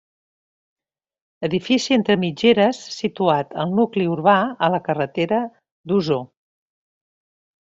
Edifici entre mitgeres, situat al nucli urbà, a la carretera d'Osor.